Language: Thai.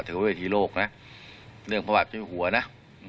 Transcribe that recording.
ถือว่าเวทีโลกนะเรื่องประวัติผู้หัวนะ